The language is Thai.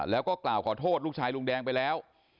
แล้วก็กล่าวขอโทษลูกชายลุงแดงไปแล้ว